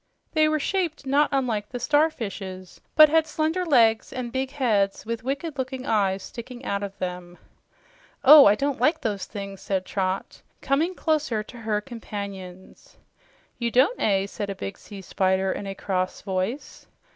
They were shaped not unlike the starfishes, but had slender legs and big heads with wicked looking eyes sticking out of them. "Oh, I don't like those things!" said Trot, coming closer to her companions. "You don't, eh?" said a big Sea Spider in a cross voice.